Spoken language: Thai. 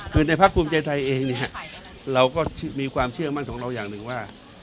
คือในภาคภูมิใจไทยเองเนี่ยเราก็มีความเชื่อมั่นของเราอย่างหนึ่งว่า